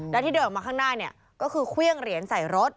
และที่เดินออกมาข้างหน้าเนี่ยก็คือเครื่องเหรียญใส่รถ